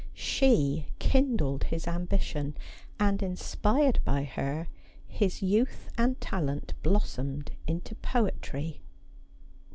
She kindled his ambition, and, inspired by her, his youth and talent blos somed into poetry.